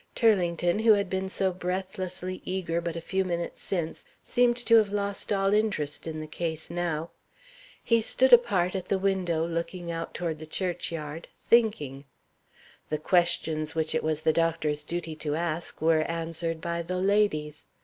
Turlington, who had been so breathlessly eager but a few minutes since, seemed to have lost all interest in the case now. He stood apart, at the window, looking out toward the church yard, thinking. The questions which it was the doctor's duty to ask were answered by the ladies.